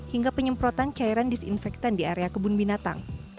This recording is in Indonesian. hingga penyemprotan cairan disinfektan di area kebun binatang